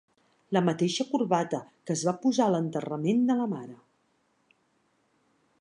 La mateixa corbata que es va posar a l'enterrament de la mare.